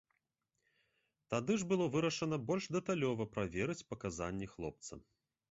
Тады ж было вырашана больш дэталёва праверыць паказанні хлопца.